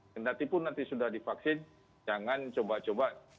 jika sudah divaksin jangan coba coba